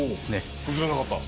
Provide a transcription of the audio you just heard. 崩れなかった。